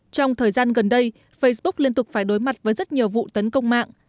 trong thời gian gần đây facebook liên tục phải đối mặt với rất nhiều vụ tấn công mạng